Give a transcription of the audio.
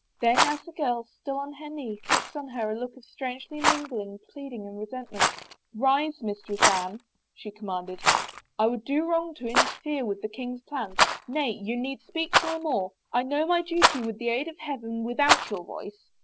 Then as the girl, still on her knee, fixed on her a look of strangely mingled pleading and resentment, " Rise, Mistress Anne," she commanded. " I would do wrong to interfere with the king's plans. Nay, you need speak no more. I know my duty with the aid of Heaven with out your voice.